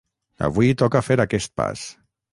Avui toca fer aquest pas.